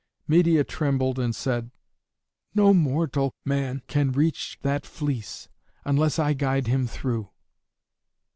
Medeia trembled and said, "No mortal man can reach that fleece unless I guide him through."